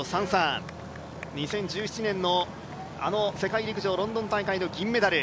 ２０１７年のあの世界陸上ロンドン大会の銀メダル。